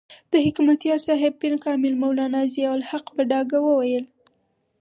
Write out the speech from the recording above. د حکمتیار صاحب پیر کامل مولانا ضیاء الحق په ډاګه وویل.